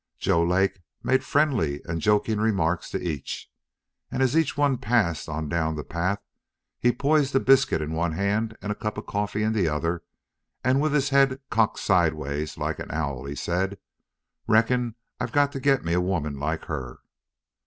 Joe Lake made friendly and joking remarks to each. And as each one passed on down the path he poised a biscuit in one hand and a cup of coffee in the other, and with his head cocked sidewise like an owl he said, "Reckon I've got to get me a woman like her."